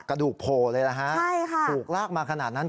กระดูกโผล่เลยนะฮะถูกลากมาขนาดนั้น